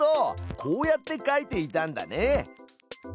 こうやって描いていたんだね。